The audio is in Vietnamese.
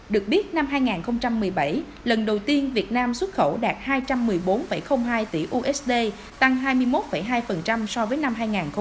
được biết năm hai nghìn một mươi bảy lần đầu tiên việt nam xuất khẩu đạt hai trăm một mươi bốn hai tỷ usd tăng hai mươi một hai so với năm hai nghìn một mươi bảy